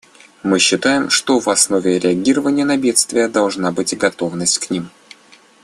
Мы считаем, что в основе реагирования на бедствия должна быть готовность к ним.